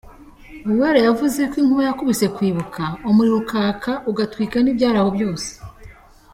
Uwera yavuze ko inkuba yakubise Kwibuka, umuriro ukaka ugatwika n’ibyari aho byose.